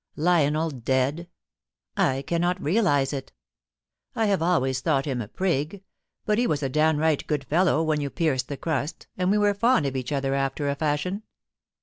Lionel dead ! I cannot realise it I have always thought him a prig, but he was a downright good fellow when you pierced the crast, and we were fond of each other after a fashion.